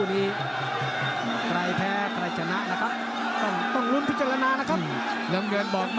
เดี๋ยวยุ่งไงดาวเด่งเข่าลดโดน